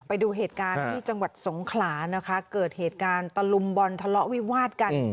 ไปดูเหตุการณ์ที่จังหวัดสงขลานะคะเกิดเหตุการณ์ตะลุมบอลทะเลาะวิวาดกัน